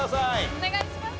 お願いします。